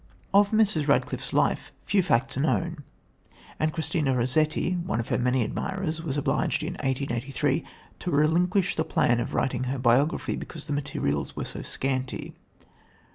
Of Mrs. Radcliffe's life few facts are known, and Christina Rossetti, one of her many admirers, was obliged, in 1883, to relinquish the plan of writing her biography, because the materials were so scanty.